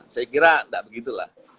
saya kira enggak begitu lah